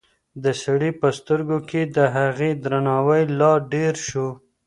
د سړي په سترګو کې د هغې درناوی لا ډېر شو.